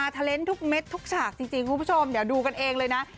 เทรนด์ทุกเม็ดทุกฉากจริงคุณผู้ชมเดี๋ยวดูกันเองเลยนะ